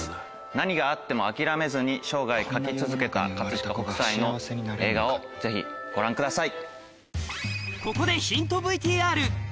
何があっても諦めずに生涯描き続けた飾北斎の映画をぜひご覧ください。